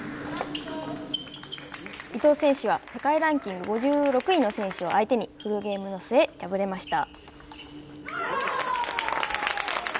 伊藤選手は世界ランキング５６位の選手を相手にフルゲームの末、敗れました。